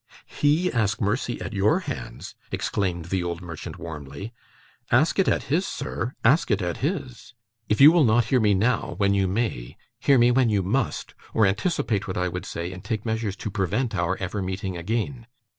'HE ask mercy at your hands!' exclaimed the old merchant warmly; 'ask it at his, sir; ask it at his. If you will not hear me now, when you may, hear me when you must, or anticipate what I would say, and take measures to prevent our ever meeting again.